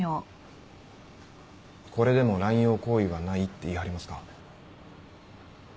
これでも濫用行為はないって言い張りますか？